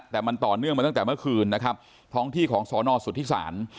แต่มันต่อเนื่องมาตั้งแต่เมื่อคืนนะครับท้องที่ของสอนอสุทธิศาล